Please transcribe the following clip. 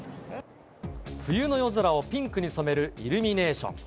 冬の夜空をピンクに染めるイルミネーション。